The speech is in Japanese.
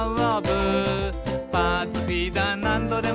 「パーツフィーダーなんどでも」